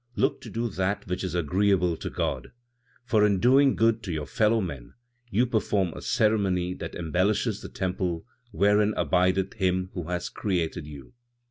Look to do that which is agreeable to God, for in doing good to your fellow men, you perform a ceremony that embellishes the temple wherein abideth Him who has created you.